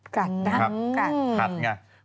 กัดนะครับคัดใช่ไหมครับ